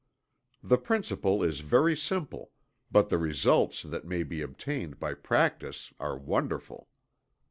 The principle is very simple, but the results that may be obtained by practice are wonderful.